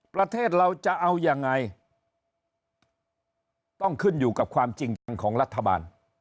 ประเทศเราจะเอายังไงต้องขึ้นอยู่กับความจริงจังของรัฐบาล